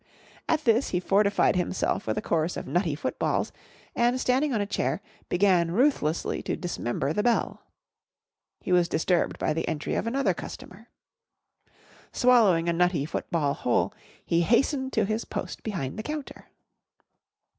At this he fortified himself with a course of Nutty Footballs and, standing on a chair, began ruthlessly to dismember the bell. He was disturbed by the entry of another customer. Swallowing a Nutty Football whole, he hastened to his post behind the counter.